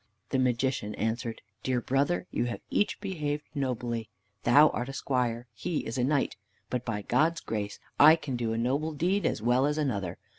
The Magician answered, "Dear brother, you have each behaved nobly. Thou art a squire, he is a knight, but by God's grace I can do a noble deed as well as another.